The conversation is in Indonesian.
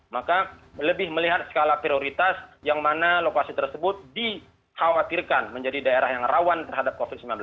maka lebih melihat skala prioritas yang mana lokasi tersebut dikhawatirkan menjadi daerah yang rawan terhadap covid sembilan belas